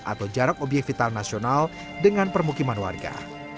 atau jarak obyek vital nasional dengan permukiman warga